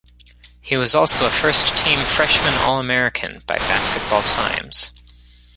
He was also a first team Freshman All-American by "Basketball Times".